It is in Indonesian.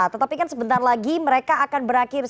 tetapi kan sebentar lagi mereka akan mencari kesempatan